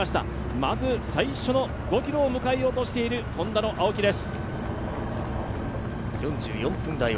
まず最初の５ｋｍを迎えようとしているＨｏｎｄａの青木です。